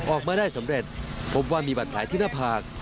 ออกมาได้สำเร็จพบว่ามีบัตรแผลที่หน้าผาก